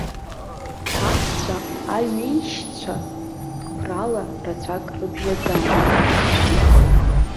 Аҳцәа аҩеишьцәа қәрала рацәак рыбжьамызт.